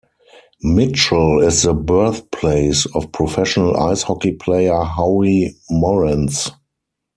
Mitchell is the birthplace of professional ice hockey player Howie Morenz.